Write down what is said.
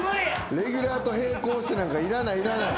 レギュラーと並行してなんかいらないいらない。